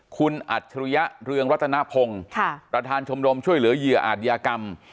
คุณอัจฉริยะเรืองรัตนพงศ์ประธานชมรมช่วยเหลือเหยื่ออาจยากรรม